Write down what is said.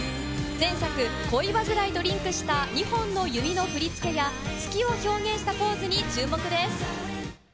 前作『ｋｏｉ−ｗａｚｕｒａｉ』とリンクした２本の弓の振り付けや、月を表現したポーズに注目です。